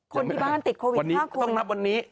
คนที่บ้านติดโควิด๕คนต้องนับวันนี้